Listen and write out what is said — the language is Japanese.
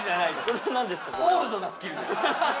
これは何ですか？